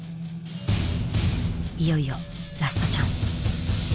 いよいよラストチャンス。